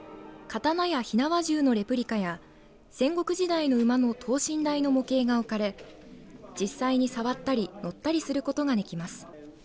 刀や火縄銃のレプリカや戦国時代の馬の等身大の模型が置かれ実際に触ったり乗ったりすることができます。